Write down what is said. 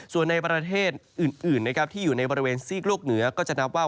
ส่วนในประเทศอื่นนะครับที่อยู่ในบริเวณซีกโลกเหนือก็จะนับว่า